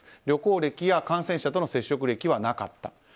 旅行歴や感染者との接触歴はなかった。